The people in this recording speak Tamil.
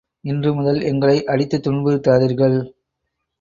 இன்று முதல் எங்களை அடித்துத் துன்புறுத்தாதீர்கள்.